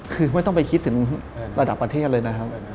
คือไม่ต้องไปคิดถึงระดับประเทศเลยนะครับ